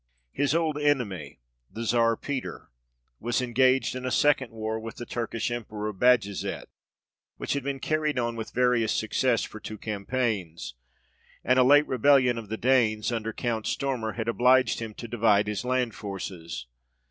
His old enemy, the Czar Peter, was engaged in a INTERVENTION OF SPAIN AND RUSSIA. 63 second war with the Turkish Emperor Bajazet, which had been carried on with various success for two cam paigns ; and a late rebellion of the Danes, under Count Stormer, had obliged him to divide his land forces.